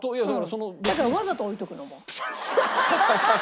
だからわざと置いとくの。